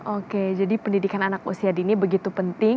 oke jadi pendidikan anak usia dini begitu penting